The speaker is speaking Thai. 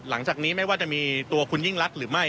หลังจากนี้ไม่ว่าจะมีตัวคุณยิ่งรักหรือไม่